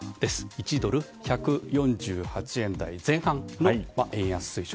１ドル＝１４８円台前半の円安水準。